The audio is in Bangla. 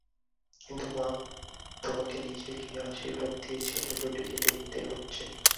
কিন্তু মা, তোমাকে নিজে গিয়ে আশীর্বাদ দিয়ে ছেলে দুটিকে দেখতে হচ্ছে।